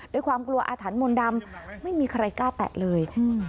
ด้วยความกลัวอาถรรพ์มนต์ดำไม่มีใครกล้าแตะเลย